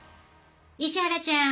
石原ちゃん。